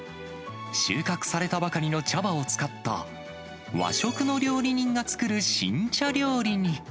収穫されたばかりの茶葉を使った和食の料理人が作る新茶料理に。